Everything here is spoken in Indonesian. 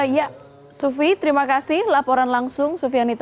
ya sufi terima kasih laporan langsung sufianita